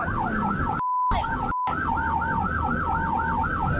อยู่ที่นี่ไหนอ่ะ